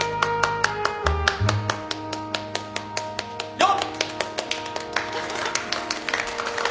よっ！